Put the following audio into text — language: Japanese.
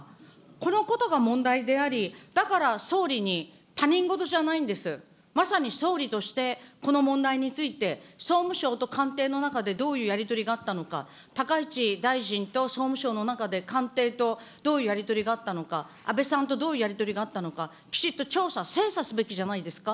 このことが問題であり、だから総理に他人事じゃないんです、まさに総理として、この問題について総務省と官邸の中で、どういうやり取りがあったのか、高市大臣と総務省の中で、官邸とどういうやり取りがあったのか、安倍さんとどういうやり取りがあったのか、きちっと調査、精査すべきじゃないですか。